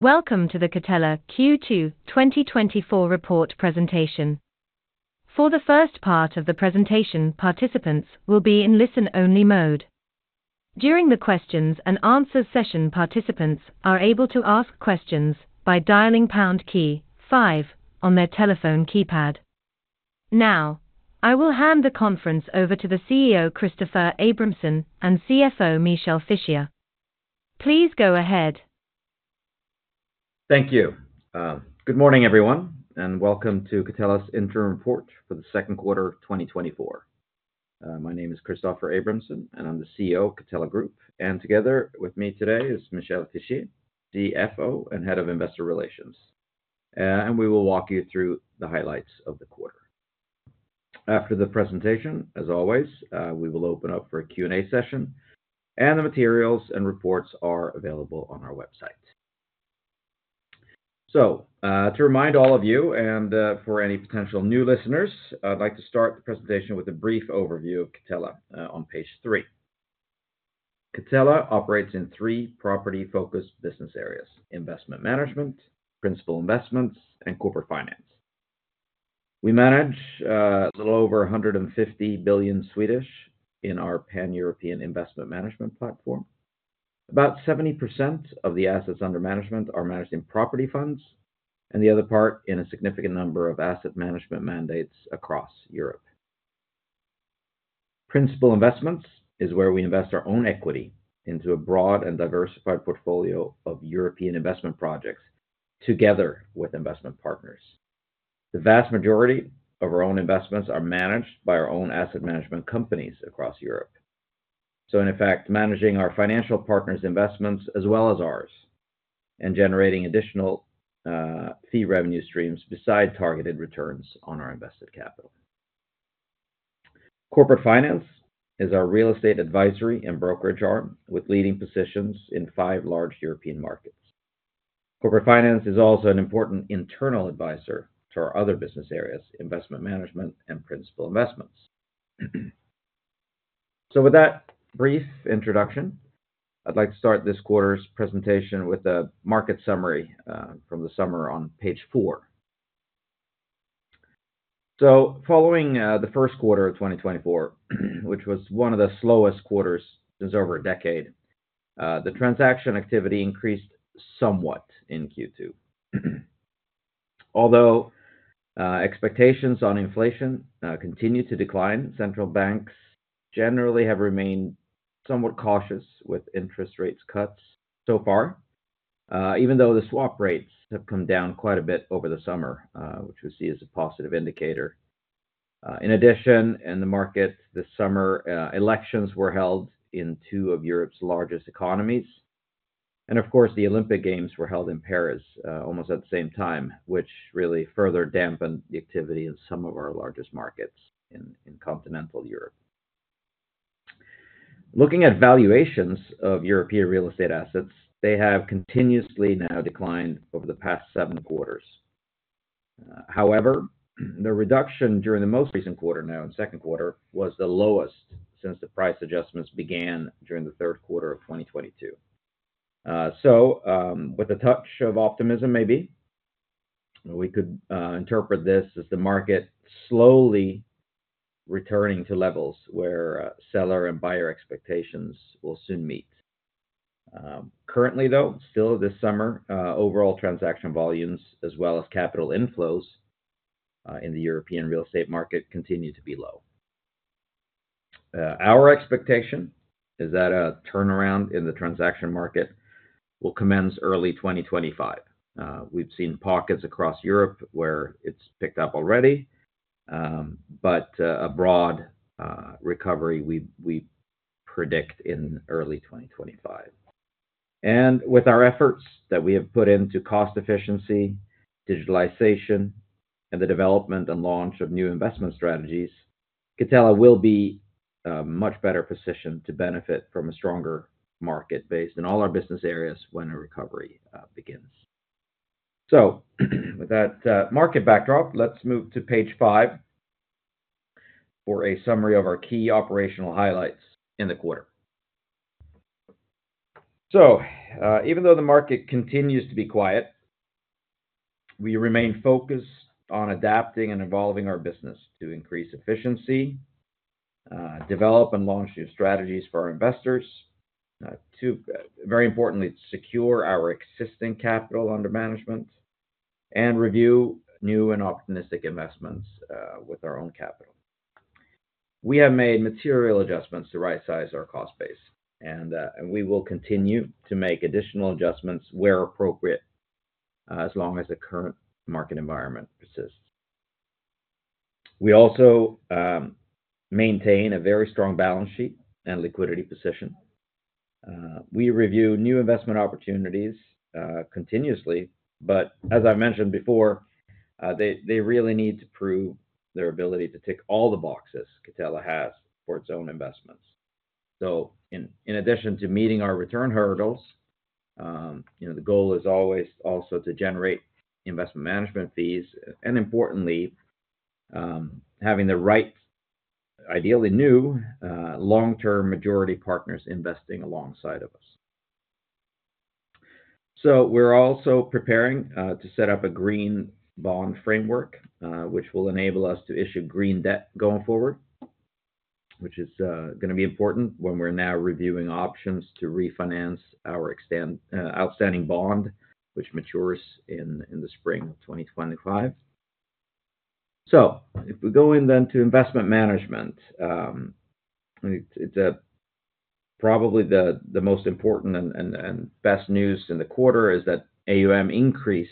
Welcome to the Catella Q2 2024 report presentation. For the first part of the presentation, participants will be in listen-only mode. During the questions-and-answers session, participants are able to ask questions by dialing pound key five on their telephone keypad. Now, I will hand the conference over to the CEO, Christoffer Abramson, and CFO, Michel Fischier. Please go ahead. Thank you. Good morning, everyone, and welcome to Catella's interim report for the second quarter of 2024. My name is Christoffer Abramson, and I'm the CEO of Catella Group, and together with me today is Michel Fischier, the CFO and Head of Investor Relations. And we will walk you through the highlights of the quarter. After the presentation, as always, we will open up for a Q&A session, and the materials and reports are available on our website, so to remind all of you and for any potential new listeners, I'd like to start the presentation with a brief overview of Catella on Page three. Catella operates in three property-focused business areas: Principal Investments, and Corporate Finance. We manage a little over 150 billion in our Investment Management platform. About 70% of the assets under management are managed in property funds, and the other part in a significant number of asset management mandates across Principal Investments is where we invest our own equity into a broad and diversified portfolio of European investment projects together with investment partners. The vast majority of our own investments are managed by our own asset management companies across Europe. So in effect, managing our financial partners' investments as well as ours, and generating additional, fee revenue streams beside targeted returns on our invested capital. Corporate Finance is our real estate advisory and brokerage arm, with leading positions in five large European markets. Corporate Finance is also an important internal advisor to our other business Investment Management and principal investments. With that brief introduction, I'd like to start this quarter's presentation with a market summary from the summer on page four. Following the first quarter of 2024, which was one of the slowest quarters since over a decade, the transaction activity increased somewhat in Q2. Although expectations on inflation continue to decline, central banks generally have remained somewhat cautious with interest rates cuts so far, even though the swap rates have come down quite a bit over the summer, which we see as a positive indicator. In addition, in the market this summer, elections were held in two of Europe's largest economies, and of course, the Olympic Games were held in Paris almost at the same time, which really further dampened the activity in some of our largest markets in continental Europe. Looking at valuations of European real estate assets, they have continuously now declined over the past seven quarters. However, the reduction during the most recent quarter, now in the second quarter, was the lowest since the price adjustments began during the third quarter of2022. So, with a touch of optimism, maybe, we could interpret this as the market slowly returning to levels where seller and buyer expectations will soon meet. Currently, though, still this summer, overall transaction volumes as well as capital inflows in the European real estate market continue to be low. Our expectation is that a turnaround in the transaction market will commence early 2025. We've seen pockets across Europe where it's picked up already, but a broad recovery, we predict in early 2025. With our efforts that we have put into cost efficiency, digitalization, and the development and launch of new investment strategies, Catella will be much better positioned to benefit from a stronger market based in all our business areas when a recovery begins. With that market backdrop, let's move to page five for a summary of our key operational highlights in the quarter. Even though the market continues to be quiet, we remain focused on adapting and evolving our business to increase efficiency, develop and launch new strategies for our investors, to very importantly, secure our existing capital under management and review new and optimistic investments with our own capital. We have made material adjustments to right size our cost base, and we will continue to make additional adjustments where appropriate, as long as the current market environment persists. We also maintain a very strong balance sheet and liquidity position. We review new investment opportunities continuously, but as I mentioned before, they really need to prove their ability to tick all the boxes Catella has for its own investments. So in addition to meeting our return hurdles, you know, the goal is always also to Investment Management fees, and importantly, having the right... ideally new long-term majority partners investing alongside of us. So we're also preparing to set up a Green Bond Framework, which will enable us to issue green debt going forward, which is gonna be important when we're now reviewing options to refinance our outstanding bond, which matures in the spring of 2025. So if we go in then Investment Management, it's probably the most important and best news in the quarter, is that AUM increased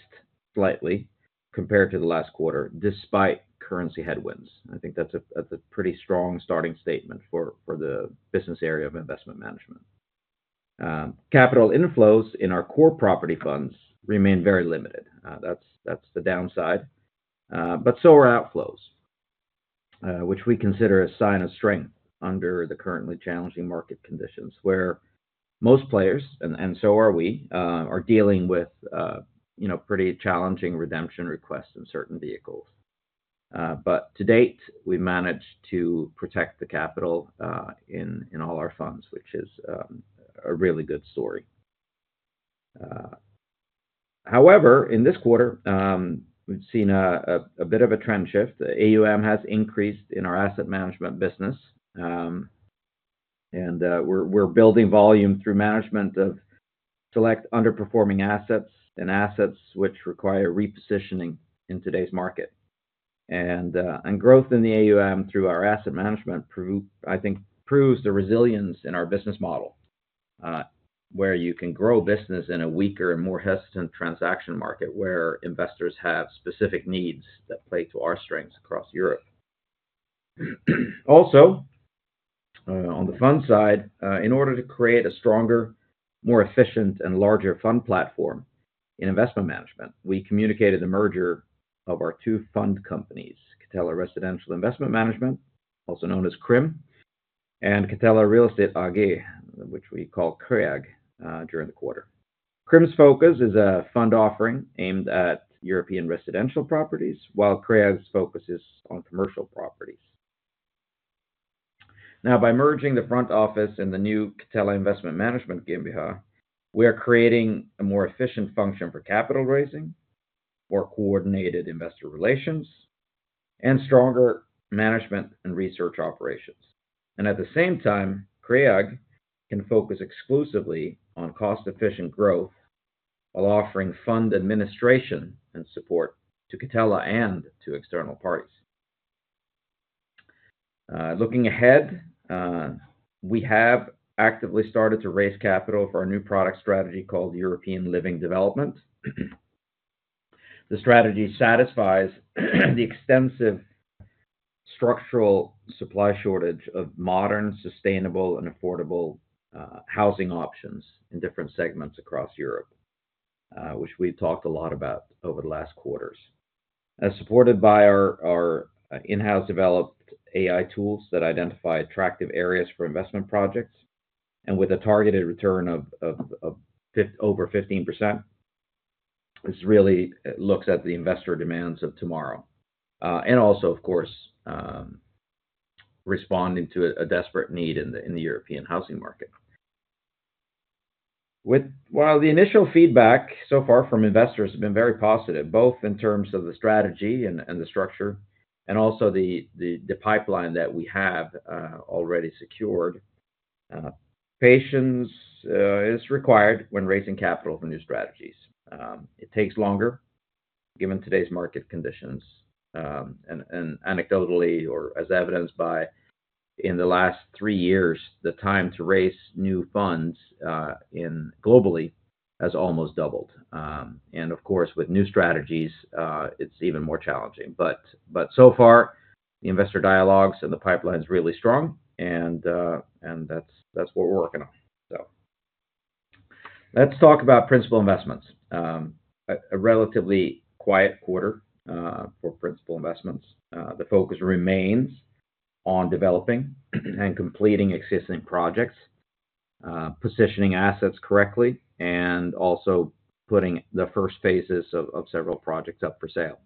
slightly compared to the last quarter, despite currency headwinds. I think that's a pretty strong starting statement for the business area Investment Management. capital inflows in our core property funds remain very limited. That's the downside. But so are outflows, which we consider a sign of strength under the currently challenging market conditions, where most players, and so are we, are dealing with, you know, pretty challenging redemption requests in certain vehicles. But to date, we managed to protect the capital in all our funds, which is a really good story. However, in this quarter, we've seen a bit of a trend shift. AUM has increased in our asset management business, and we're building volume through management of select underperforming assets and assets which require repositioning in today's market. Growth in the AUM through our asset management, I think, proves the resilience in our business model, where you can grow business in a weaker and more hesitant transaction market, where investors have specific needs that play to our strengths across Europe. Also, on the fund side, in order to create a stronger, more efficient, and larger fund platform Investment Management, we communicated a merger of our two fund companies, Catella Investment Management, also known as CRIM, and Catella Real Estate AG, which we call CREAG, during the quarter. CRIM's focus is a fund offering aimed at European residential properties, while CREAG's focus is on commercial properties. Now, by merging the front office and the new Investment Management gmbh, we are creating a more efficient function for capital raising, more coordinated investor relations, and stronger management and research operations. And at the same time, CREAG can focus exclusively on cost-efficient growth, while offering fund administration and support to Catella and to external parties. Looking ahead, we have actively started to raise capital for our new product strategy, called European Living Development. The strategy satisfies the extensive structural supply shortage of modern, sustainable, and affordable housing options in different segments across Europe, which we've talked a lot about over the last quarters. As supported by our in-house developed AI tools that identify attractive areas for investment projects, and with a targeted return of over 15%, this really looks at the investor demands of tomorrow. And also, of course, responding to a desperate need in the European housing market. While the initial feedback so far from investors has been very positive, both in terms of the strategy and the structure, and also the pipeline that we have already secured, patience is required when raising capital for new strategies. It takes longer, given today's market conditions. And anecdotally, or as evidenced by in the last three years, the time to raise new funds globally has almost doubled. And of course, with new strategies, it's even more challenging. But so far, the investor dialogues and the pipeline is really strong, and that's what we're working on. So let's talk Principal Investments. a relatively quiet quarter for Principal Investments. The focus remains on developing and completing existing projects, positioning assets correctly, and also putting the first phases of several projects up for sale.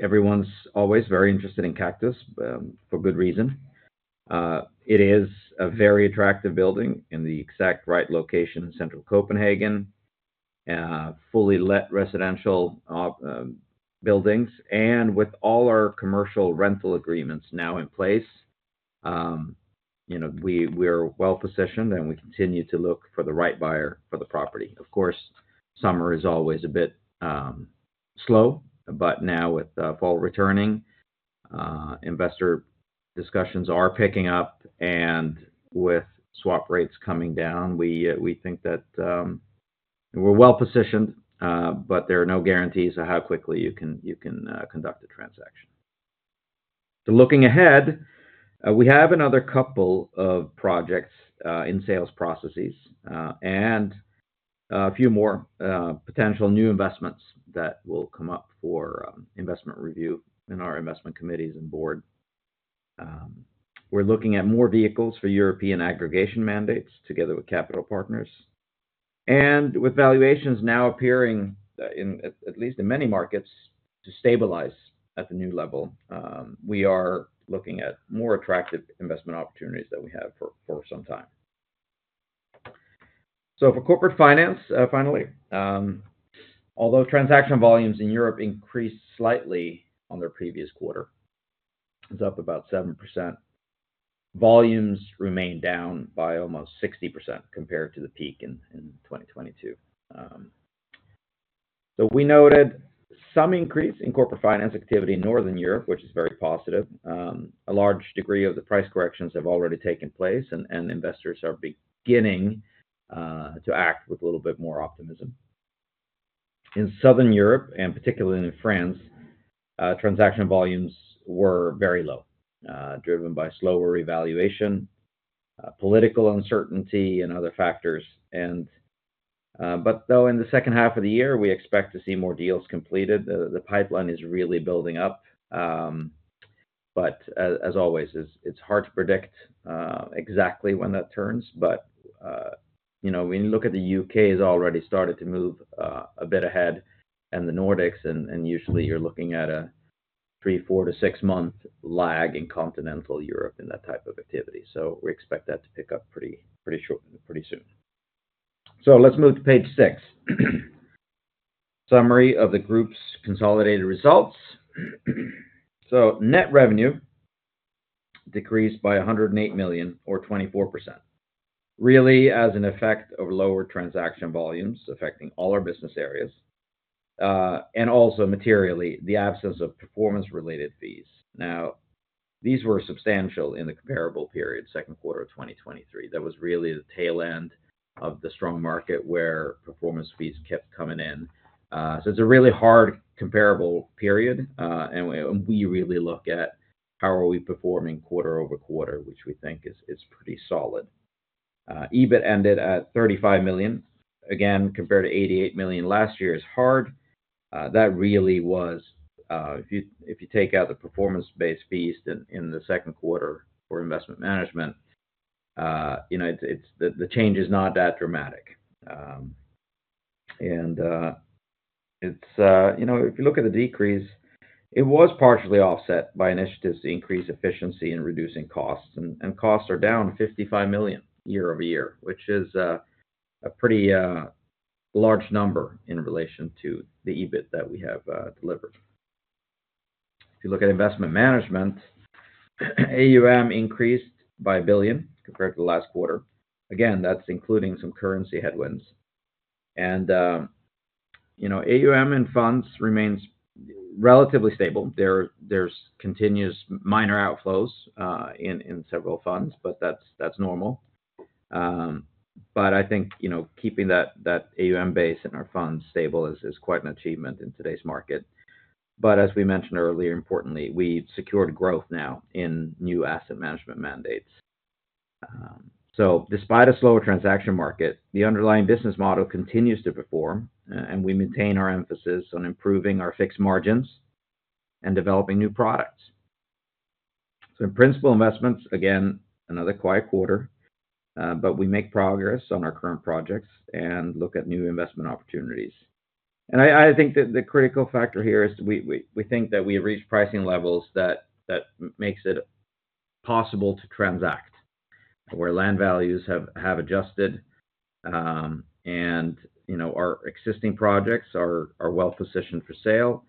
Everyone's always very interested in Kaktus, for good reason. It is a very attractive building in the exact right location in central Copenhagen, fully let residential buildings, and with all our commercial rental agreements now in place, you know, we're well positioned, and we continue to look for the right buyer for the property. Of course, summer is always a bit slow, but now with fall returning, investor discussions are picking up, and with swap rates coming down, we think that we're well positioned, but there are no guarantees of how quickly you can conduct a transaction. Looking ahead, we have another couple of projects in sales processes and a few more potential new investments that will come up for investment review in our investment committees and board. We're looking at more vehicles for European aggregation mandates, together with capital partners. With valuations now appearing to stabilize at least in many markets at the new level, we are looking at more attractive investment opportunities than we have for some time. For Corporate Finance, finally, although transaction volumes in Europe increased slightly on their previous quarter, it's up about 7%, volumes remained down by almost 60% compared to the peak in 2022. We noted some increase in Corporate Finance activity in Northern Europe, which is very positive. A large degree of the price corrections have already taken place, and investors are beginning to act with a little bit more optimism. In Southern Europe, and particularly in France, transaction volumes were very low, driven by slower valuation, political uncertainty, and other factors, but though in the second half of the year, we expect to see more deals completed. The pipeline is really building up. But as always, it's hard to predict exactly when that turns. You know, when you look at the U.K., it's already started to move a bit ahead in the Nordics, and usually you're looking at a three- to six-month lag in continental Europe in that type of activity. So we expect that to pick up pretty soon. So let's move to Page six. Summary of the group's consolidated results. Net revenue decreased by 108 million, or 24%, really as an effect of lower transaction volumes affecting all our business areas, and also materially, the absence of performance-related fees. Now, these were substantial in the comparable period, second quarter of 2023. That was really the tail end of the strong market, where performance fees kept coming in. So it's a really hard comparable period, and we really look at how are we performing quarter over quarter, which we think is pretty solid. EBIT ended at 35 million, again, compared to 88 million last year is hard. That really was. If you take out the performance-based fees in the second quarter Investment Management, you know, it's the change is not that dramatic. It's, you know, if you look at the decrease, it was partially offset by initiatives to increase efficiency and reducing costs, and costs are down 55 million year-over-year, which is a pretty large number in relation to the EBIT that we have delivered. If you look Investment Management, aum increased by 1 billion, compared to the last quarter. Again, that's including some currency headwinds. And, you know, AUM in funds remains relatively stable. There's continuous minor outflows in several funds, but that's normal. But I think, you know, keeping that AUM base and our funds stable is quite an achievement in today's market. But as we mentioned earlier, importantly, we've secured growth now in new asset management mandates. So despite a slower transaction market, the underlying business model continues to perform, and we maintain our emphasis on improving our fixed margins and developing new products. Principal Investments, again, another quiet quarter, but we make progress on our current projects and look at new investment opportunities. And I think that the critical factor here is we think that we have reached pricing levels that makes it possible to transact, where land values have adjusted, and, you know, our existing projects are well positioned for sale,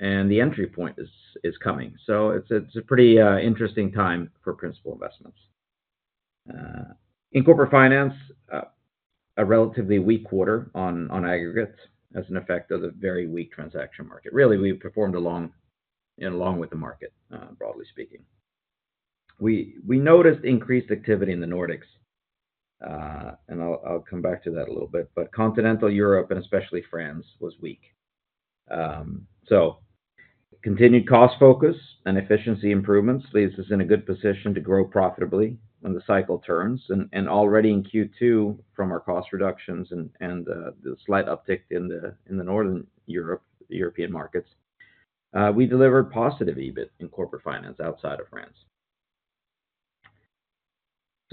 and the entry point is coming. So it's a pretty interesting time Principal Investments. in Corporate Finance, a relatively weak quarter on aggregates, as an effect of the very weak transaction market. Really, we've performed along, you know, along with the market, broadly speaking. We noticed increased activity in the Nordics, and I'll come back to that a little bit, but continental Europe, and especially France, was weak. Continued cost focus and efficiency improvements leaves us in a good position to grow profitably when the cycle turns. Already in Q2, from our cost reductions and the slight uptick in Northern Europe, the European markets, we delivered positive EBIT in Corporate Finance outside of France.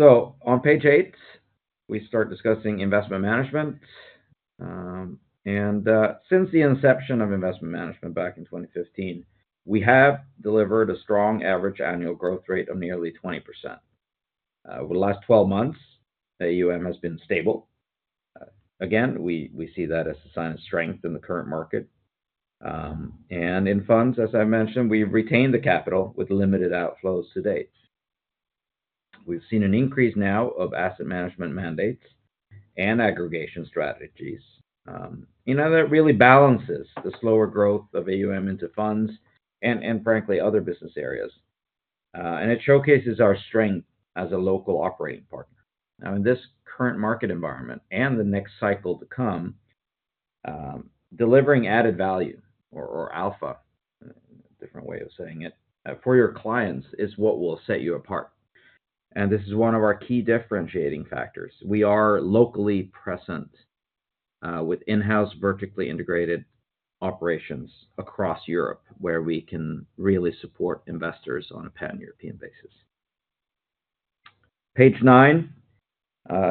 On page eight, we start Investment Management. since the inception Investment Management back in 2015, we have delivered a strong average annual growth rate of nearly 20%. Over the last 12 months, AUM has been stable. Again, we see that as a sign of strength in the current market. And in funds, as I mentioned, we've retained the capital with limited outflows to date. We've seen an increase now of asset management mandates and aggregation strategies. And that really balances the slower growth of AUM into funds and frankly, other business areas, and it showcases our strength as a local operating partner. Now, in this current market environment, and the next cycle to come, delivering added value or alpha, different way of saying it, for your clients, is what will set you apart.... And this is one of our key differentiating factors. We are locally present with in-house vertically integrated operations across Europe, where we can really support investors on a pan-European basis. Page nine,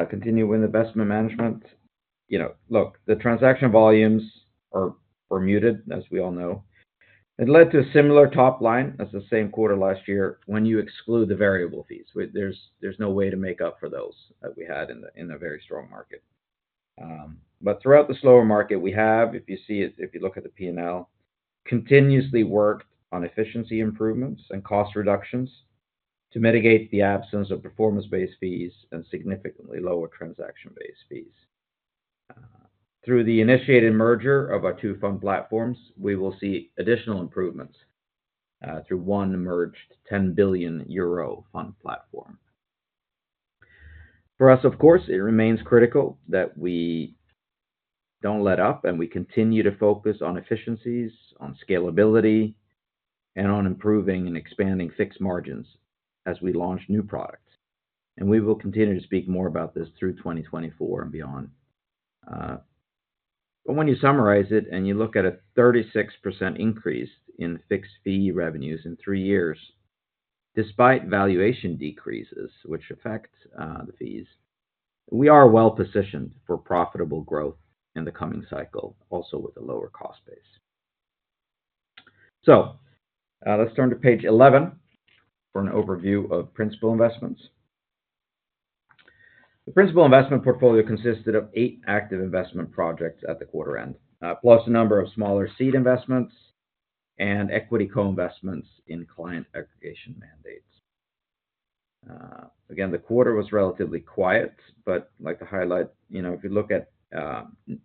continue with Investment Management. You know, look, the transaction volumes are, were muted, as we all know. It led to a similar top line as the same quarter last year when you exclude the variable fees. There's no way to make up for those that we had in a, in a very strong market. But throughout the slower market, we have, if you see it, if you look at the P&L, continuously worked on efficiency improvements and cost reductions to mitigate the absence of performance-based fees and significantly lower transaction-based fees. Through the initiated merger of our two fund platforms, we will see additional improvements, through one merged 10 billion euro fund platform. For us, of course, it remains critical that we don't let up, and we continue to focus on efficiencies, on scalability, and on improving and expanding fixed margins as we launch new products. We will continue to speak more about this through 2024 and beyond. When you summarize it, and you look at a 36% increase in Fixed Fee Revenues in three years, despite valuation decreases, which affect the fees, we are well positioned for profitable growth in the coming cycle, also with a lower cost base. Let's turn to Page 11 for an overview Principal Investments. the Principal Investment portfolio consisted of eight active investment projects at the quarter end, plus a number of smaller seed investments and equity co-investments in client aggregation mandates. Again, the quarter was relatively quiet, but like I highlight, you know, if you look at,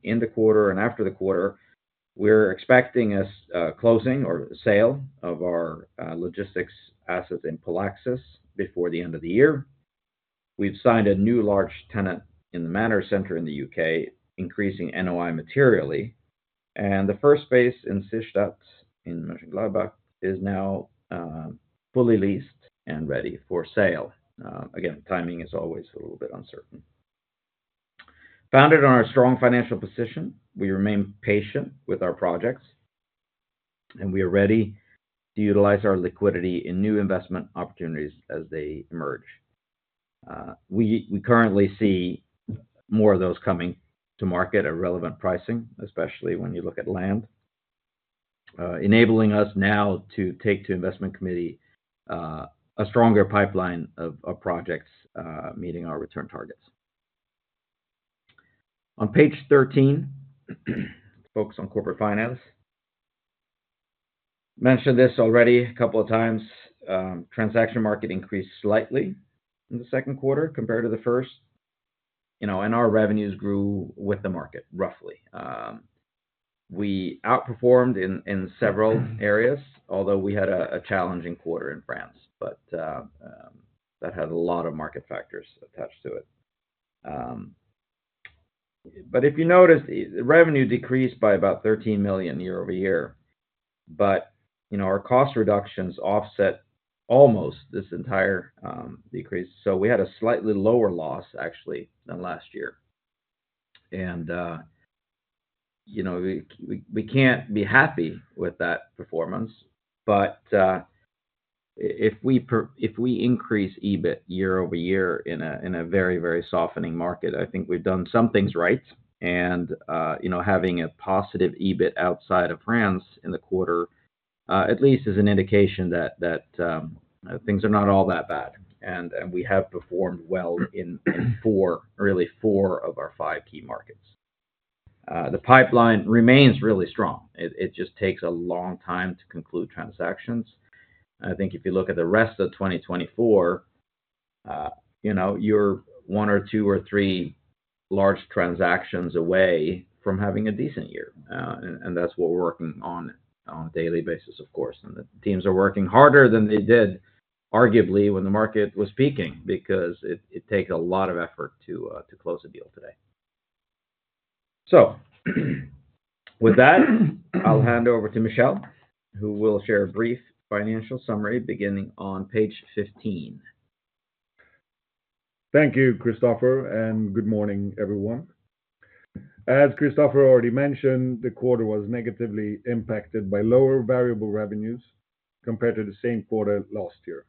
in the quarter and after the quarter, we're expecting a closing or sale of our logistics assets in Polaxis before the end of the year. We've signed a new large tenant in the Mander Centre in the U.K., increasing NOI materially, and the first phase in Seestadt in Mönchengladbach is now fully leased and ready for sale. Again, timing is always a little bit uncertain. Founded on our strong financial position, we remain patient with our projects, and we are ready to utilize our liquidity in new investment opportunities as they emerge. We currently see more of those coming to market at relevant pricing, especially when you look at land, enabling us now to take to investment committee a stronger pipeline of projects meeting our return targets. On Page 13, focus on Corporate Finance. Mentioned this already a couple of times, transaction market increased slightly in the second quarter compared to the first, you know, and our revenues grew with the market, roughly. We outperformed in several areas, although we had a challenging quarter in France, but that had a lot of market factors attached to it. But if you noticed, revenue decreased by about 13 million year-over-year, but you know, our cost reductions offset almost this entire decrease. So we had a slightly lower loss, actually, than last year. We can't be happy with that performance, but if we increase EBIT year-over-year in a very, very softening market, I think we've done some things right. You know, having a positive EBIT outside of France in the quarter at least is an indication that things are not all that bad, and we have performed well in four, really four of our five key markets. The pipeline remains really strong. It just takes a long time to conclude transactions. I think if you look at the rest of 2024, you know, you're one or two or three large transactions away from having a decent year. And that's what we're working on, on a daily basis, of course. And the teams are working harder than they did, arguably, when the market was peaking, because it takes a lot of effort to close a deal today. With that, I'll hand over to Michel, who will share a brief financial summary beginning on page fifteen. Thank you, Christoffer, and good morning, everyone. As Christoffer already mentioned, the quarter was negatively impacted by lower variable revenues compared to the same quarter last year.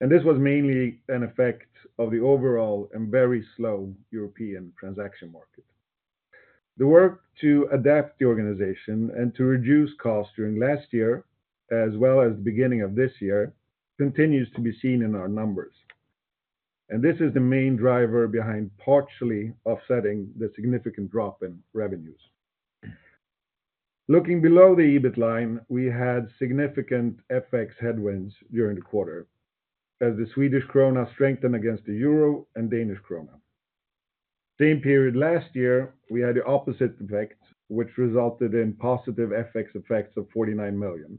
This was mainly an effect of the overall and very slow European transaction market. The work to adapt the organization and to reduce costs during last year, as well as the beginning of this year, continues to be seen in our numbers, and this is the main driver behind partially offsetting the significant drop in revenues. Looking below the EBIT line, we had significant FX headwinds during the quarter, as the Swedish krona strengthened against the euro and Danish krona. Same period last year, we had the opposite effect, which resulted in positive FX effects of 49 million,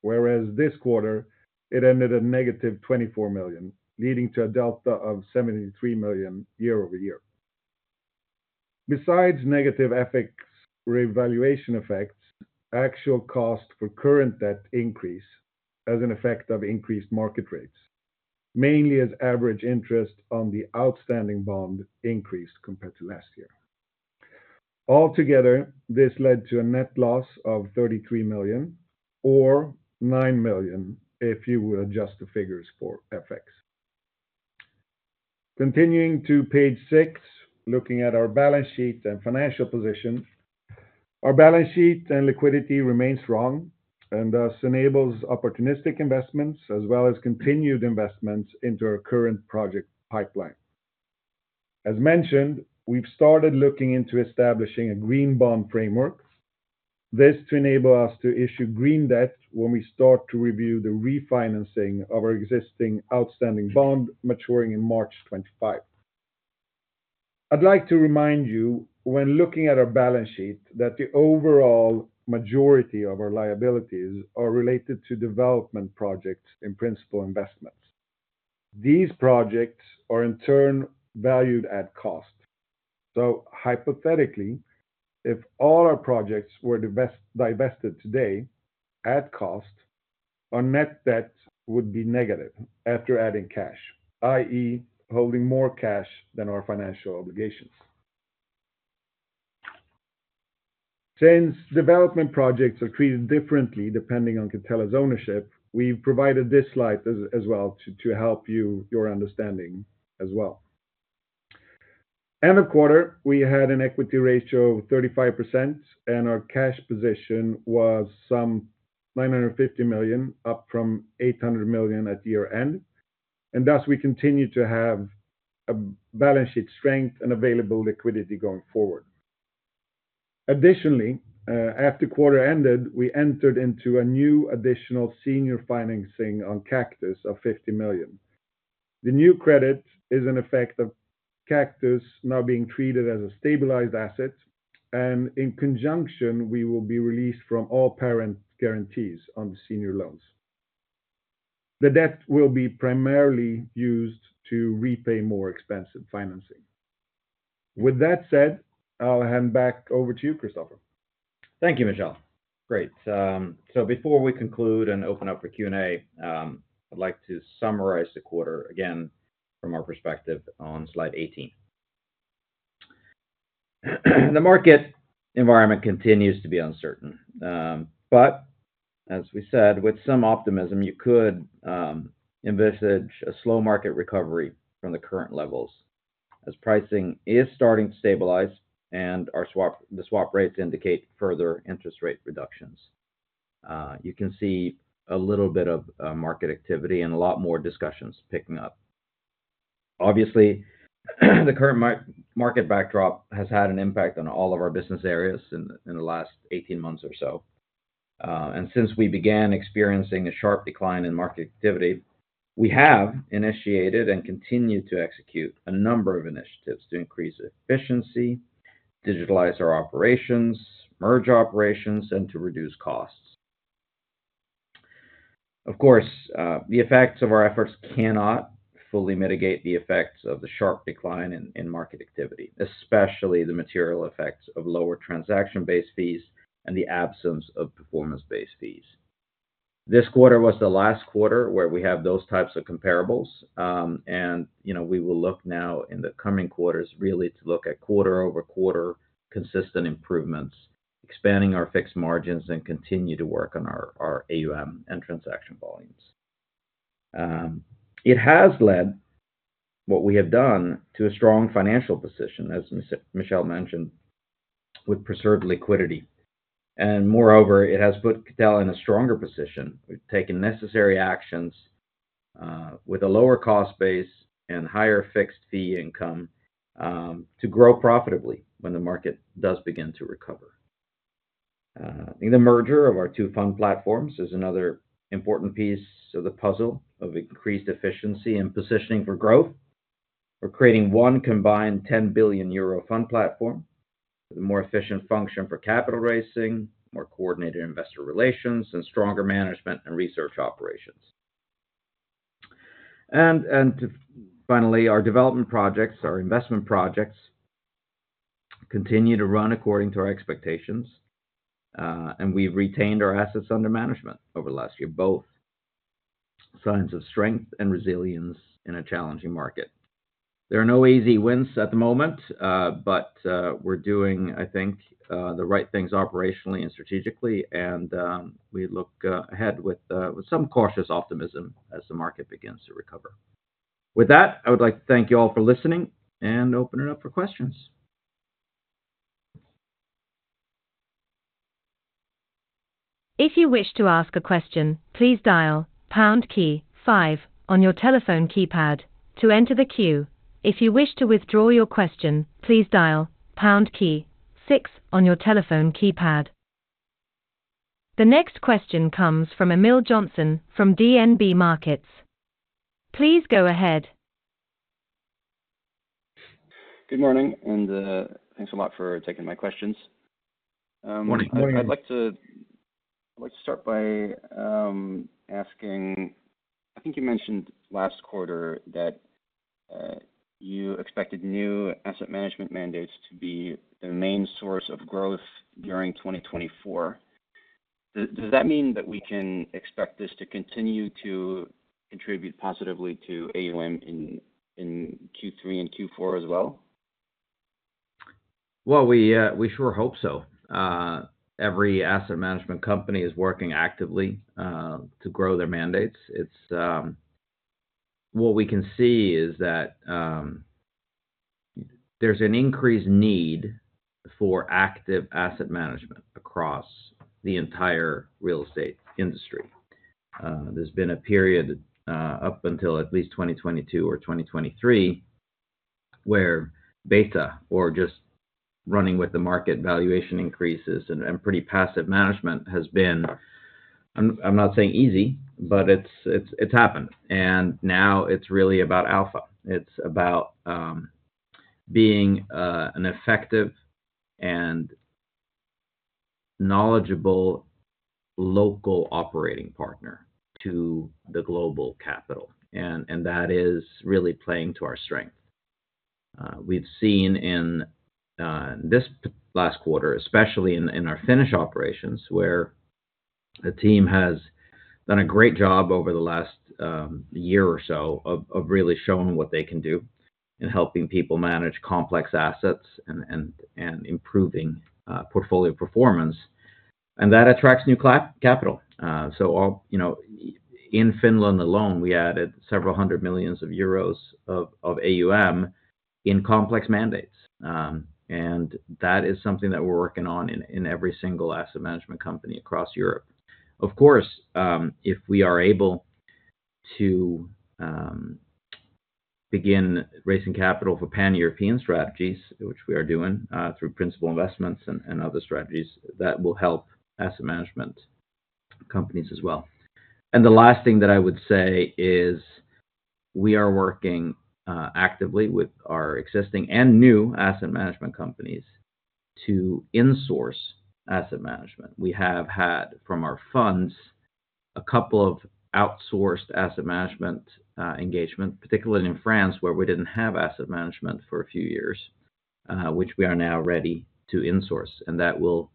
whereas this quarter, it ended at negative 24 million, leading to a delta of 73 million year-over-year. Besides negative FX revaluation effects, actual cost for current debt increase as an effect of increased market rates, mainly as average interest on the outstanding bond increased compared to last year. Altogether, this led to a net loss of 33 million, or 9 million, if you would adjust the figures for FX. Continuing to Page six, looking at our balance sheet and financial position. Our balance sheet and liquidity remains strong, and thus enables opportunistic investments, as well as continued investments into our current project pipeline. As mentioned, we've started looking into establishing a Green Bond Framework. This to enable us to issue green debt when we start to review the refinancing of our existing outstanding bond maturing in March 2025. I'd like to remind you, when looking at our balance sheet, that the overall majority of our liabilities are related to development projects in Principal Investments. These projects are in turn valued at cost. So hypothetically, if all our projects were divested today at cost, our net debt would be negative after adding cash, i.e., holding more cash than our financial obligations. Since development projects are treated differently depending on Catella's ownership, we've provided this slide as well to help your understanding as well. End of quarter, we had an equity ratio of 35%, and our cash position was some 950 million, up from 800 million at year-end, and thus, we continue to have a balance sheet strength and available liquidity going forward. Additionally, after quarter ended, we entered into a new additional senior financing on Kaktus of 50 million. The new credit is an effect of Kaktus now being treated as a stabilized asset, and in conjunction, we will be released from all parent guarantees on the senior loans. The debt will be primarily used to repay more expensive financing. With that said, I'll hand back over to you, Christoffer. Thank you, Michel. Great. So before we conclude and open up for Q&A, I'd like to summarize the quarter again from our perspective on Slide 18. The market environment continues to be uncertain, but as we said, with some optimism, you could envisage a slow market recovery from the current levels, as pricing is starting to stabilize and our swap rates indicate further interest rate reductions. You can see a little bit of market activity and a lot more discussions picking up. Obviously, the current market backdrop has had an impact on all of our business areas in the last 18 months or so. And since we began experiencing a sharp decline in market activity, we have initiated and continued to execute a number of initiatives to increase efficiency, digitalize our operations, merge operations, and to reduce costs. Of course, the effects of our efforts cannot fully mitigate the effects of the sharp decline in market activity, especially the material effects of lower transaction-based fees and the absence of performance-based fees. This quarter was the last quarter where we have those types of comparables, and, you know, we will look now in the coming quarters, really to look at quarter-over-quarter consistent improvements, expanding our fixed margins, and continue to work on our AUM and transaction volumes. It has led what we have done to a strong financial position, as Michel mentioned, with preserved liquidity, and moreover, it has put Catella in a stronger position. We've taken necessary actions, with a lower cost base and higher fixed fee income, to grow profitably when the market does begin to recover. The merger of our two fund platforms is another important piece of the puzzle of increased efficiency and positioning for growth. We're creating one combined 10 billion euro fund platform with a more efficient function for capital raising, more coordinated investor relations, and stronger management and research operations. And finally, our development projects, our investment projects, continue to run according to our expectations, and we've retained our assets under management over the last year, both signs of strength and resilience in a challenging market. There are no easy wins at the moment, but we're doing, I think, the right things operationally and strategically, and we look ahead with some cautious optimism as the market begins to recover. With that, I would like to thank you all for listening and open it up for questions. If you wish to ask a question, please dial pound key five on your telephone keypad to enter the queue. If you wish to withdraw your question, please dial pound key six on your telephone keypad. The next question comes from Emil Johnsen from DNB Markets. Please go ahead. Good morning, and, thanks a lot for taking my questions. I'd like to start by asking, I think you mentioned last quarter that you expected new asset management mandates to be the main source of growth during 2024. Does that mean that we can expect this to continue to contribute positively to AUM in Q3 and Q4 as well? We sure hope so. Every asset management company is working actively to grow their mandates. It's... What we can see is that there's an increased need for active asset management across the entire real estate industry. There's been a period up until at least 2022 or 2023, where beta, or just running with the market valuation increases and pretty passive management has been, I'm not saying easy, but it's happened. Now it's really about alpha. It's about being an effective and knowledgeable local operating partner to the global capital, and that is really playing to our strength. We've seen in this past quarter, especially in our Finnish operations, where the team has done a great job over the last year or so of really showing what they can do in helping people manage complex assets and improving portfolio performance. And that attracts new capital. You know, in Finland alone, we added several hundred million euros of AUM in complex mandates. And that is something that we're working on in every single asset management company across Europe. Of course, if we are able to begin raising capital for Pan-European strategies, which we are doing Principal Investments and other strategies, that will help asset management companies as well. The last thing that I would say is, we are working actively with our existing and new asset management companies to insource asset management. We have had, from our funds, a couple of outsourced asset management engagement, particularly in France, where we didn't have asset management for a few years, which we are now ready to insource, and that will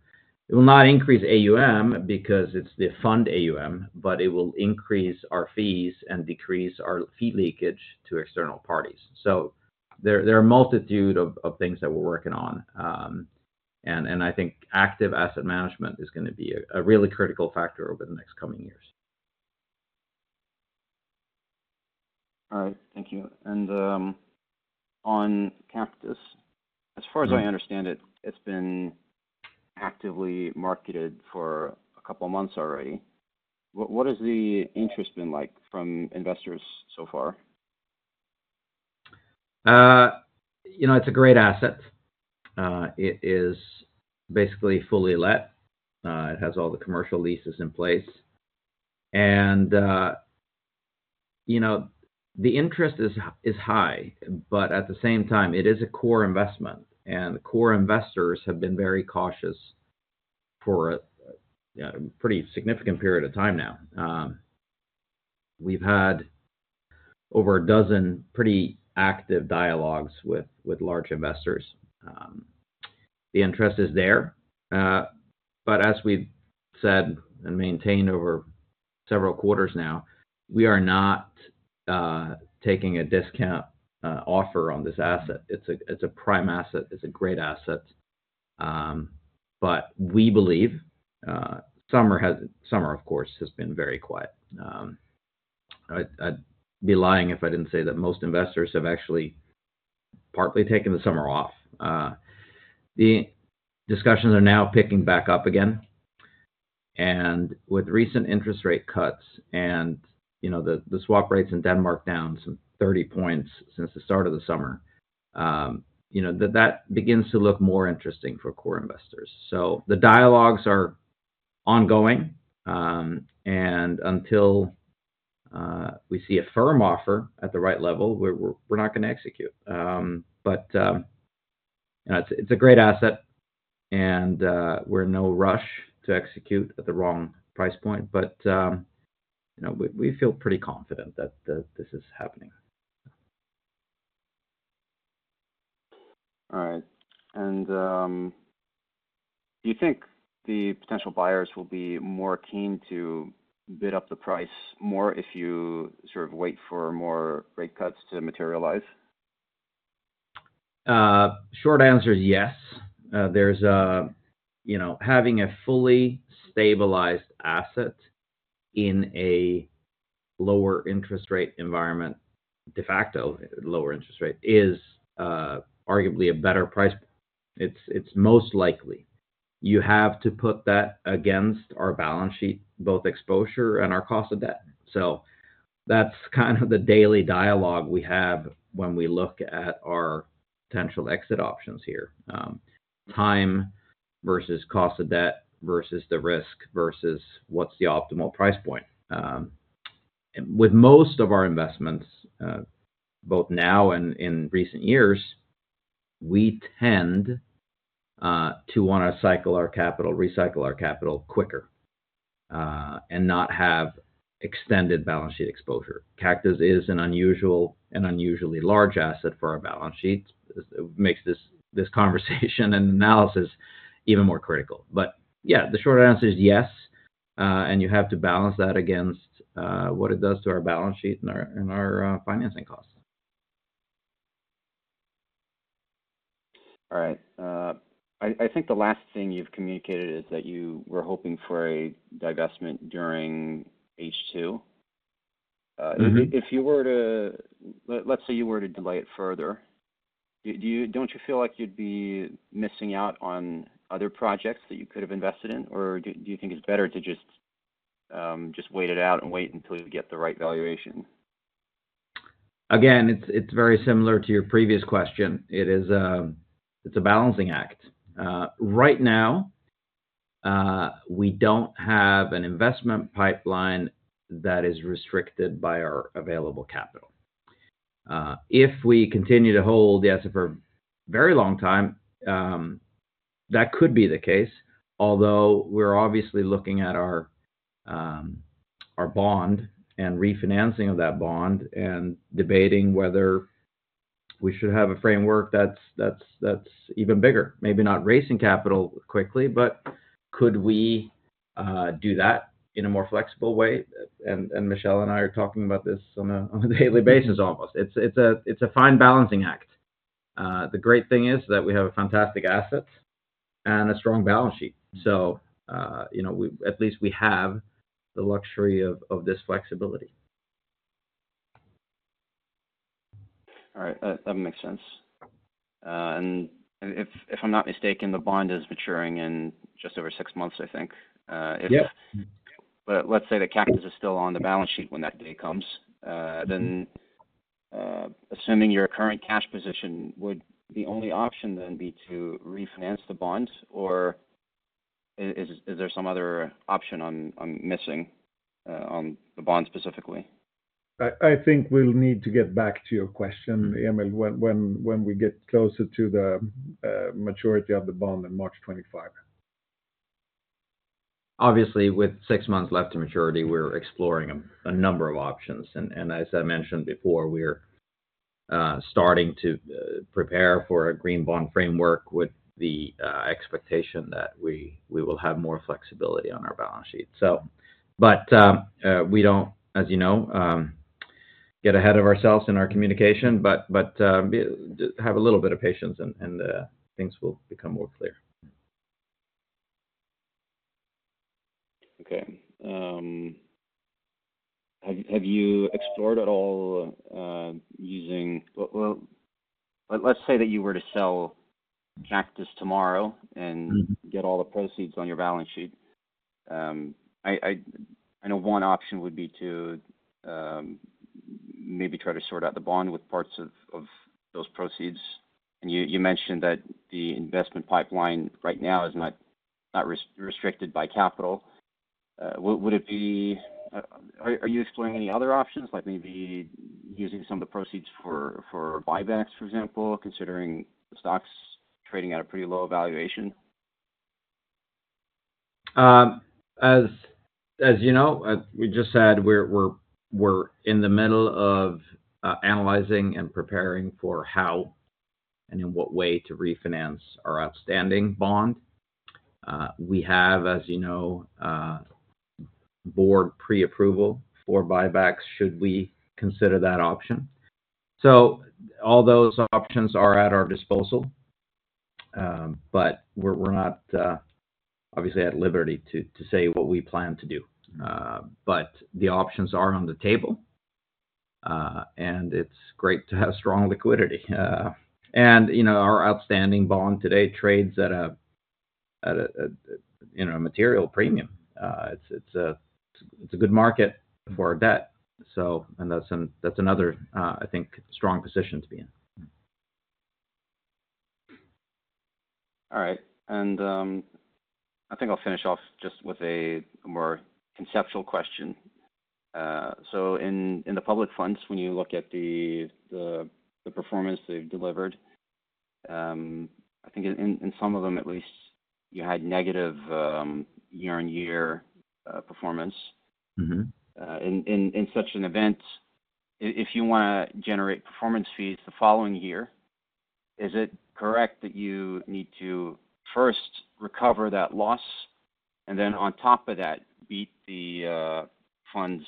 not increase AUM because it's the fund AUM, but it will increase our fees and decrease our fee leakage to external parties. So there are a multitude of things that we're working on. I think active asset management is gonna be a really critical factor over the next coming years. All right. Thank you. And, on Kaktus, as far as- Mm-hmm... I understand it, it's been actively marketed for a couple of months already. What has the interest been like from investors so far? You know, it's a great asset. It is basically fully let. It has all the commercial leases in place. And, you know, the interest is high, but at the same time, it is a core investment, and core investors have been very cautious for a pretty significant period of time now. We've had over a dozen pretty active dialogues with large investors. The interest is there, but as we've said and maintained over several quarters now, we are not taking a discount offer on this asset. It's a prime asset. It's a great asset. But we believe summer, of course, has been very quiet. I'd be lying if I didn't say that most investors have actually partly taken the summer off. The discussions are now picking back up again. And with recent interest rate cuts and, you know, the swap rates in Denmark down some 30 points since the start of the summer, that begins to look more interesting for core investors. So the dialogues are ongoing, and until we see a firm offer at the right level, we're not gonna execute. But you know, it's a great asset, and we're in no rush to execute at the wrong price point. But you know, we feel pretty confident that this is happening. All right. And, do you think the potential buyers will be more keen to bid up the price more if you sort of wait for more rate cuts to materialize? Short answer is yes. You know, having a fully stabilized asset in a lower interest rate environment, de facto lower interest rate, is arguably a better price. It's most likely. You have to put that against our balance sheet, both exposure and our cost of debt. So that's kind of the daily dialogue we have when we look at our potential exit options here. Time versus cost of debt, versus the risk, versus what's the optimal price point? And with most of our investments, both now and in recent years, we tend to want to cycle our capital, recycle our capital quicker, and not have extended balance sheet exposure. Kaktus is an unusually large asset for our balance sheet. It makes this conversation and analysis even more critical. But yeah, the short answer is yes, and you have to balance that against what it does to our balance sheet and our financing costs. All right. I think the last thing you've communicated is that you were hoping for a divestment during H2. Mm-hmm. If you were to delay it further, don't you feel like you'd be missing out on other projects that you could have invested in? Or do you think it's better to just wait it out and wait until you get the right valuation? Again, it's very similar to your previous question. It is a balancing act. Right now, we don't have an investment pipeline that is restricted by our available capital. If we continue to hold the asset for a very long time, that could be the case, although we're obviously looking at our bond and refinancing of that bond, and debating whether we should have a framework that's even bigger. Maybe not raising capital quickly, but could we do that in a more flexible way? And Michel and I are talking about this on a daily basis, almost. It's a fine balancing act. The great thing is that we have a fantastic asset and a strong balance sheet. So, you know, we at least have the luxury of this flexibility. All right. That makes sense. And if I'm not mistaken, the bond is maturing in just over six months, I think, if- Yes. But let's say the Kaktus is still on the balance sheet when that day comes, then, assuming your current cash position, would the only option then be to refinance the bond? Or is there some other option I'm missing, on the bond specifically? I think we'll need to get back to your question, Emil, when we get closer to the maturity of the bond in March 2025. Obviously, with six months left to maturity, we're exploring a number of options. As I mentioned before, we're starting to prepare for a Green Bond Framework with the expectation that we will have more flexibility on our balance sheet. But we don't, as you know, get ahead of ourselves in our communication, but have a little bit of patience, and things will become more clear. Okay. Have you explored at all using... Well, let's say that you were to sell Kaktus tomorrow and- Mm-hmm... get all the proceeds on your balance sheet. I know one option would be to maybe try to sort out the bond with parts of those proceeds. And you mentioned that the investment pipeline right now is not restricted by capital. Are you exploring any other options, like maybe using some of the proceeds for buybacks, for example, considering the stock's trading at a pretty low valuation? As you know, as we just said, we're in the middle of analyzing and preparing for how and in what way to refinance our outstanding bond. We have, as you know, board pre-approval for buybacks, should we consider that option, so all those options are at our disposal, but we're not obviously at liberty to say what we plan to do, but the options are on the table, and it's great to have strong liquidity, and, you know, our outstanding bond today trades at a, you know, a material premium. It's a good market for our debt, so that's another, I think, strong position to be in. All right. And, I think I'll finish off just with a more conceptual question. So in the public funds, when you look at the performance they've delivered, I think in some of them at least, you had negative year-on-year performance. Mm-hmm. In such an event, if you wanna generate performance fees the following year, is it correct that you need to first recover that loss, and then on top of that, beat the fund's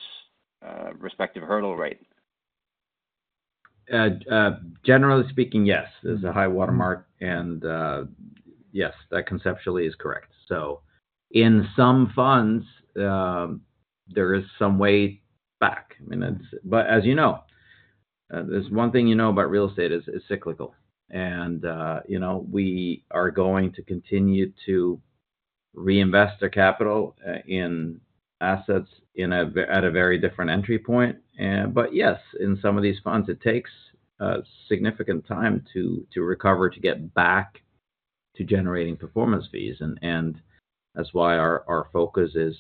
respective hurdle rate? Generally speaking, yes. There's a high water mark, and yes, that conceptually is correct. So in some funds, there is some way back. I mean, but as you know, there's one thing you know about real estate, is cyclical. And you know, we are going to continue to reinvest the capital in assets at a very different entry point. But yes, in some of these funds, it takes a significant time to recover, to get back to generating performance fees. And that's why our focus is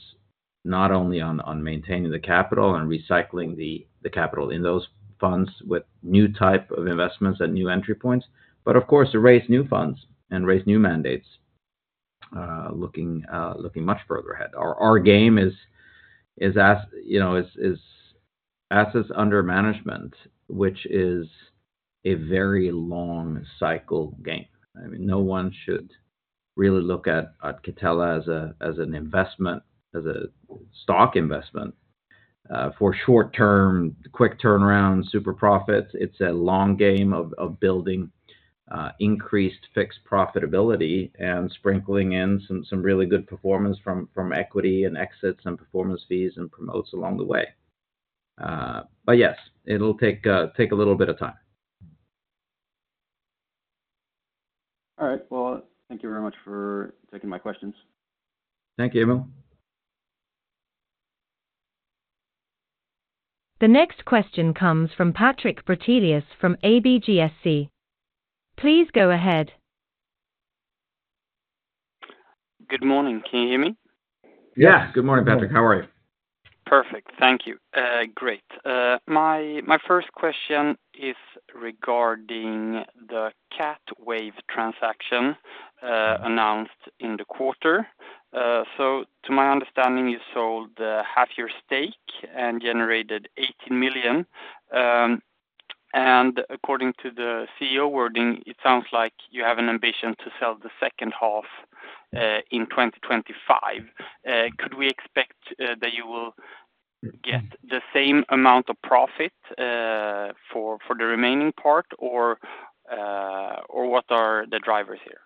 not only on maintaining the capital and recycling the capital in those funds with new type of investments and new entry points, but of course, to raise new funds and raise new mandates, looking much further ahead. Our game is, as you know, assets under management, which is a very long cycle game. I mean, no one should really look at Catella as an investment, as a stock investment, for short-term, quick turnaround, super profits. It's a long game of building increased fixed profitability and sprinkling in some really good performance from equity and exits and performance fees and promotes along the way. But yes, it'll take a little bit of time. All right. Well, thank you very much for taking my questions. Thank you, Emil. The next question comes from Patrik Brattelius from ABGSC. Please go ahead. Good morning. Can you hear me? Yes. Yeah. Good morning, Patrick. How are you? Perfect. Thank you. Great. My first question is regarding the CatWave transaction announced in the quarter. So to my understanding, you sold half your stake and generated 80 million. And according to the CEO wording, it sounds like you have an ambition to sell the second half in 2025. Could we expect that you will get the same amount of profit for the remaining part? Or what are the drivers here?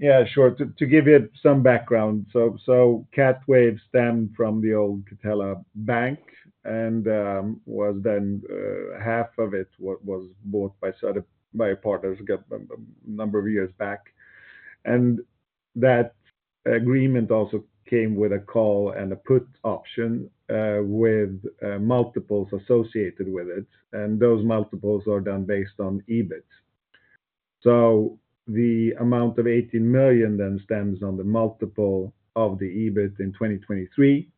Yeah, sure. To give you some background, so CatWave stemmed from the old Catella Bank, and was then half of it was bought by, sort of, by partners a number of years back. And that agreement also came with a call and a put option, with multiples associated with it, and those multiples are done based on EBIT. So the amount of 80 million then stems on the multiple of the EBIT in 2023,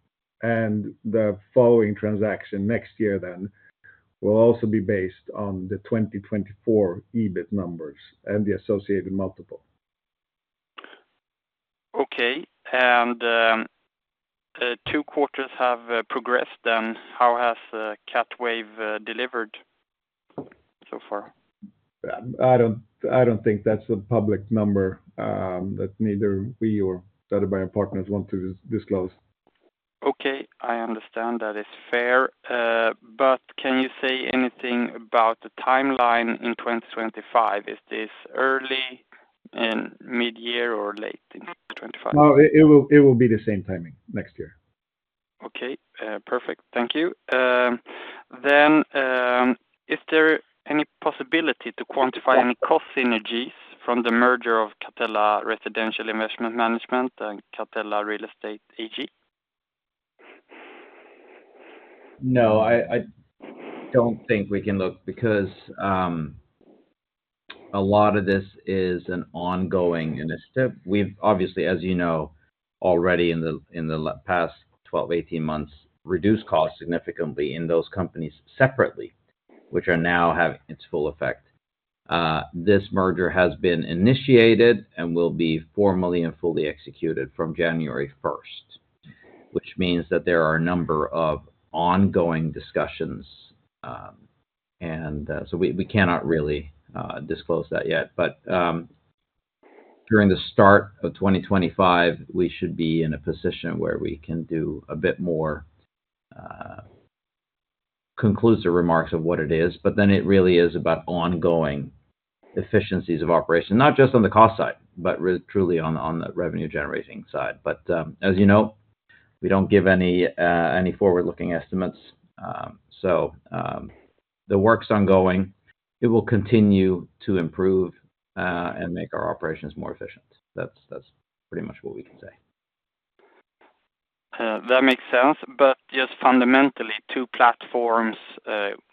and the following transaction next year then will also be based on the 2024 EBIT numbers and the associated multiple. Okay. And two quarters have progressed, then. How has CatWave delivered so far? I don't think that's a public number that neither we or the other buyer partners want to disclose. Okay, I understand. That is fair, but can you say anything about the timeline in 2025? Is this early, in midyear, or late in 2025? No, it will, it will be the same timing next year. Okay, perfect. Thank you. Then, is there any possibility to quantify any cost synergies from the merger of Catella Investment Management and Catella Real Estate AG? No, I don't think we can look because a lot of this is an ongoing initiative. We've obviously, as you know, already in the past 12, 18 months, reduced costs significantly in those companies separately, which are now having its full effect. This merger has been initiated and will be formally and fully executed from January first, which means that there are a number of ongoing discussions and so we cannot really disclose that yet. But during the start of 2025, we should be in a position where we can do a bit more conclusive remarks of what it is, but then it really is about ongoing efficiencies of operation, not just on the cost side, but truly on the revenue generating side. But, as you know, we don't give any forward-looking estimates, so the work's ongoing. It will continue to improve and make our operations more efficient. That's pretty much what we can say. That makes sense. But just fundamentally, two platforms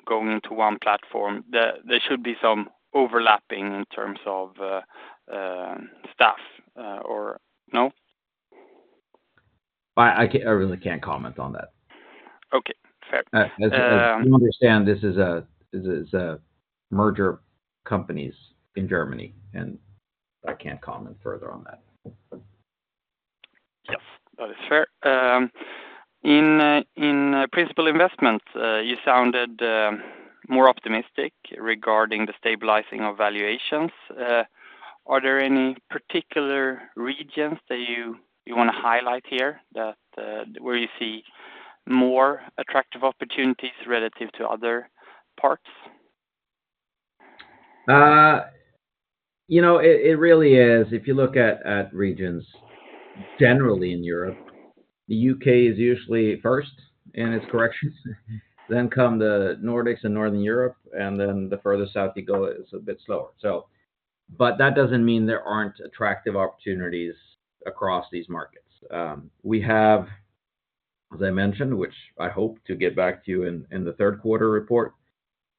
going into one platform, there should be some overlapping in terms of staff, or no? I really can't comment on that. Okay. Fair. As you understand, this is a merger of companies in Germany, and I can't comment further on that. Yes, that is fair. Principal Investments, you sounded more optimistic regarding the stabilizing of valuations. Are there any particular regions that you wanna highlight here, that where you see more attractive opportunities relative to other parts? You know, it really is. If you look at regions generally in Europe, the U.K. is usually first in its corrections, then come the Nordics and Northern Europe, and then the further south you go, it's a bit slower. So. But that doesn't mean there aren't attractive opportunities across these markets. As I mentioned, which I hope to get back to you in the third quarter report,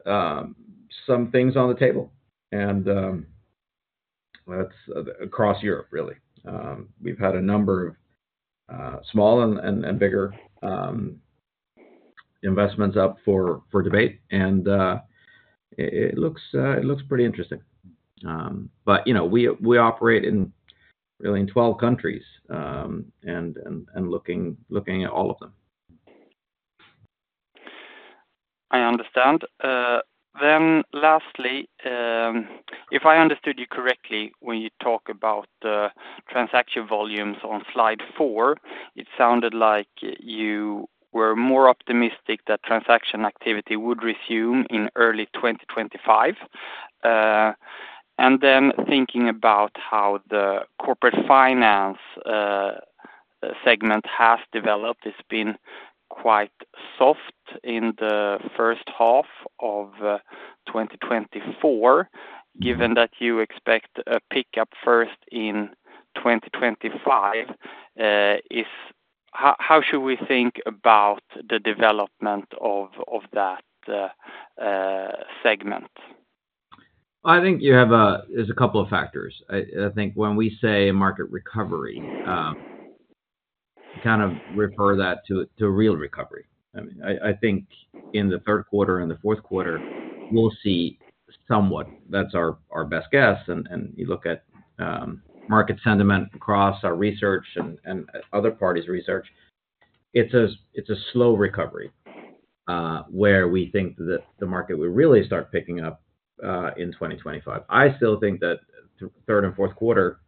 some things on the table, and that's across Europe, really. We've had a number of small and bigger investments up for debate, and it looks pretty interesting. But, you know, we operate really in twelve countries, and looking at all of them. I understand. Then lastly, if I understood you correctly, when you talk about transaction volumes on Slide four, it sounded like you were more optimistic that transaction activity would resume in early 2025. And then thinking about how the Corporate Finance segment has developed, it's been quite soft in the first half of 2024. Mm-hmm. Given that you expect a pickup first in 2025, how should we think about the development of that segment? I think you have a couple of factors. I think when we say market recovery, we kind of refer that to real recovery. I mean, I think in the third quarter and the fourth quarter, we'll see somewhat. That's our best guess. You look at market sentiment across our research and other parties' research, it's a slow recovery where we think that the market will really start picking up in 2025. I still think that third and fourth quarter,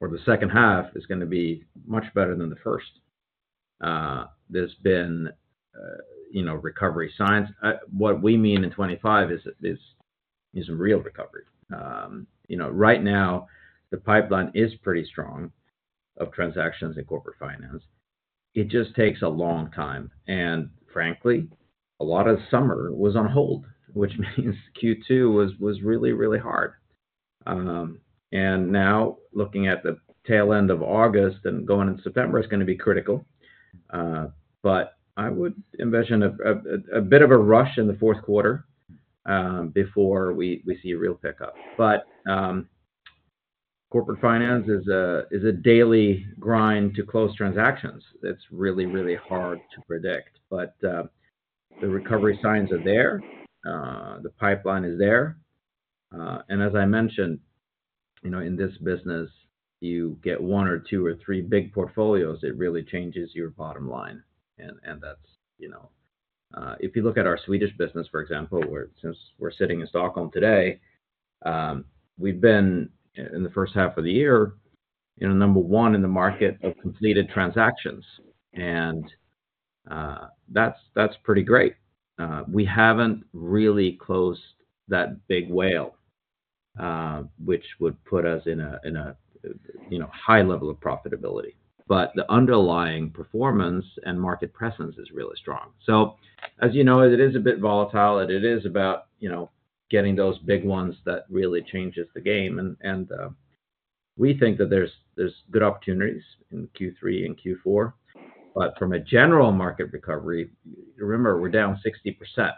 or the second half, is gonna be much better than the first. There's been you know, recovery signs. What we mean in 2025 is real recovery. You know, right now, the pipeline is pretty strong of transactions in Corporate Finance. It just takes a long time. And frankly, a lot of summer was on hold, which means Q2 was really, really hard. And now, looking at the tail end of August and going into September, is gonna be critical. But I would envision a bit of a rush in the fourth quarter, before we see a real pickup. But Corporate Finance is a daily grind to close transactions. It's really, really hard to predict. But the recovery signs are there, the pipeline is there. And as I mentioned, you know, in this business, you get one or two or three big portfolios, it really changes your bottom line. And that's, you know... If you look at our Swedish business, for example, where since we're sitting in Stockholm today, we've been in the first half of the year, you know, number one in the market of completed transactions, and that's, that's pretty great. We haven't really closed that big whale, which would put us in a, you know, high level of profitability. But the underlying performance and market presence is really strong. So as you know, it is a bit volatile, and it is about, you know, getting those big ones that really changes the game. And we think that there's good opportunities in Q3 and Q4. But from a general market recovery, remember, we're down 60%.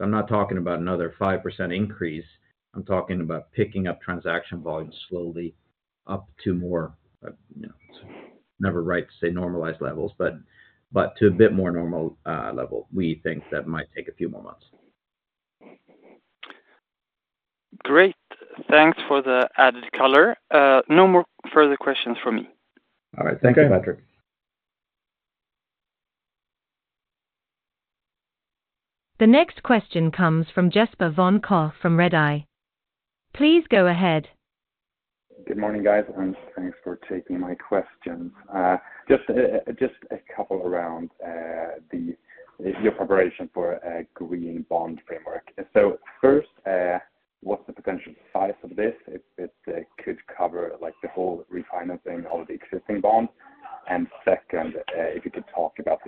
I'm not talking about another 5% increase. I'm talking about picking up transaction volume slowly up to more, you know, it's never right to say normalized levels, but to a bit more normal level. We think that might take a few more months. Great. Thanks for the added color. No more further questions from me. All right. Thank you, Patrik. The next question comes from Jesper von Koch from Redeye. Please go ahead. Good morning, guys, and thanks for taking my questions. Just a couple around your preparation for a Green Bond Framework. So first, what's the potential size of this, if it could cover, like, the whole refinancing of the existing bonds? And second, if you could talk about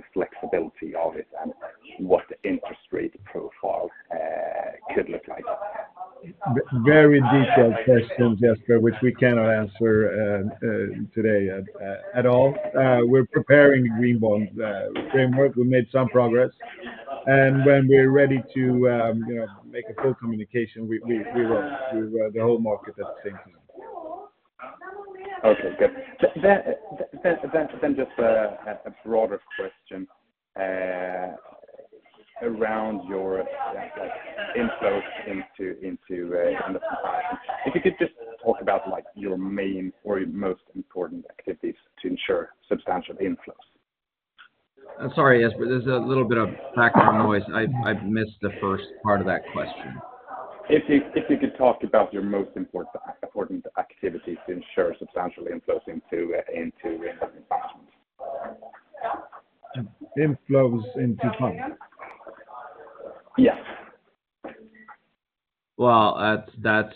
the flexibility of it and what the interest rate profile could look like. Very detailed questions, Jesper, which we cannot answer today at all. We're preparing the Green Bond Framework. We made some progress, and when we're ready to, you know, make a full communication, we will to the whole market at the same time. Okay, good. Then just a broader question around your inflows into under management. If you could just talk about, like, your main or your most important activities to ensure substantial inflows. I'm sorry, Jesper, there's a little bit of background noise. I've missed the first part of that question. If you could talk about your most important activities to ensure substantial inflows into inflows? Inflows into fund? Yes. That's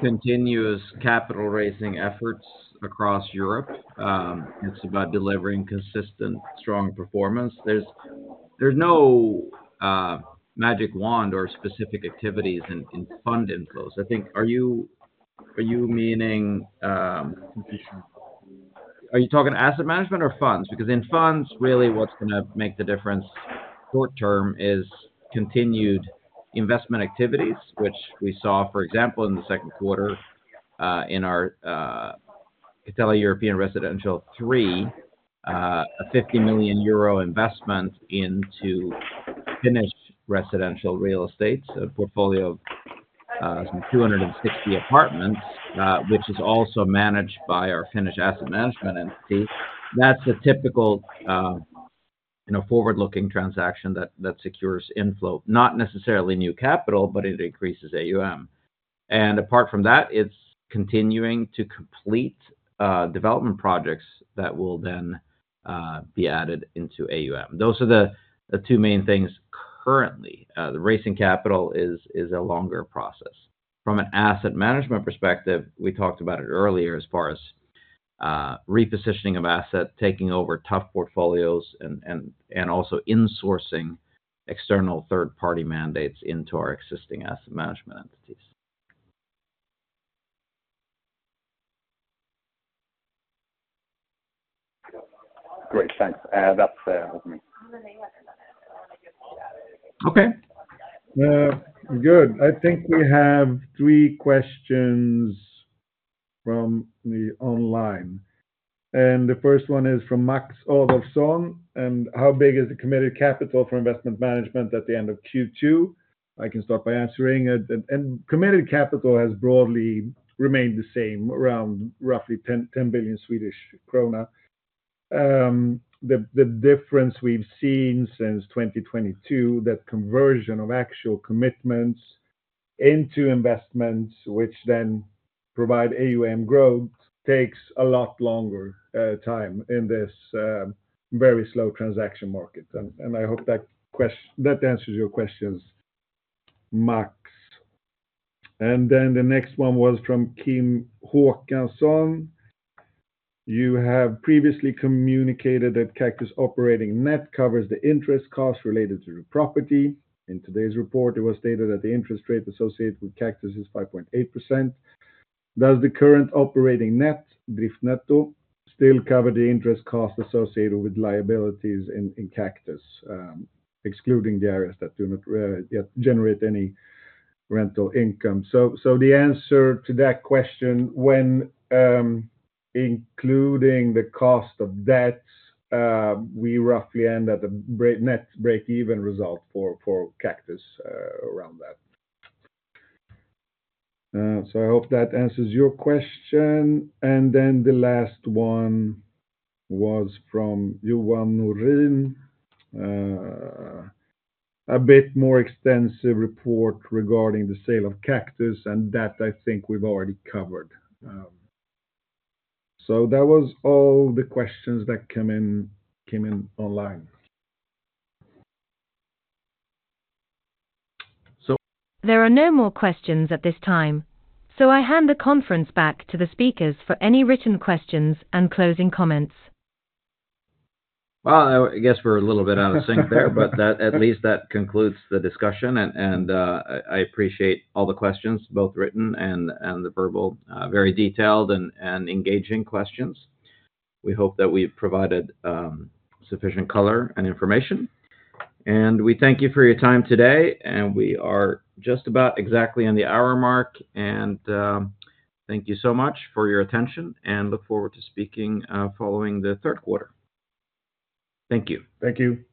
continuous capital-raising efforts across Europe. It's about delivering consistent, strong performance. There's no magic wand or specific activities in fund inflows. I think. Are you meaning, are you talking asset management or funds? Because in funds, really what's gonna make the difference short term is continued investment activities, which we saw, for example, in the second quarter, in our Catella European Residential III, a EUR 50 million investment into Finnish residential real estate. So a portfolio of some 260 apartments, which is also managed by our Finnish asset management entity. That's a typical, you know, forward-looking transaction that secures inflow, not necessarily new capital, but it increases AUM. Apart from that, it's continuing to complete development projects that will then be added into AUM. Those are the two main things currently. The raising capital is a longer process. From an asset management perspective, we talked about it earlier as far as repositioning of asset, taking over tough portfolios and also insourcing external third-party mandates into our existing asset management entities. Great, thanks. That's everything. Okay. Good. I think we have three questions from the online, and the first one is from Max Olofsson. How big is the committed capital Investment Management at the end of Q2? I can start by answering it. Committed capital has broadly remained the same, around roughly 10 billion Swedish krona. The difference we've seen since 2022, that conversion of actual commitments into investments, which then provide AUM growth, takes a lot longer time in this very slow transaction market. I hope that answers your questions, Max. The next one was from Kim Håkansson. You have previously communicated that Kaktus operating net covers the interest cost related to the property. In today's report, it was stated that the interest rate associated with Kaktus is 5.8%. Does the current operating net, driftnetto, still cover the interest cost associated with liabilities in Kaktus? Excluding the areas that do not yet generate any rental income. So the answer to that question, when including the cost of debt, we roughly end at a net breakeven result for Kaktus, around that. So I hope that answers your question. And then the last one was from Johan Norin. A bit more extensive report regarding the sale of Kaktus, and that I think we've already covered. So that was all the questions that came in online. So- There are no more questions at this time, so I hand the conference back to the speakers for any written questions and closing comments. Well, I guess we're a little bit out of sync there, but at least that concludes the discussion. And I appreciate all the questions, both written and the verbal, very detailed and engaging questions. We hope that we've provided sufficient color and information, and we thank you for your time today, and we are just about exactly on the hour mark, and thank you so much for your attention and look forward to speaking following the third quarter. Thank you. Thank you.